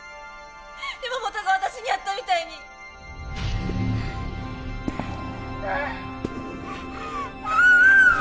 山本が私にやったみたいにんんんん！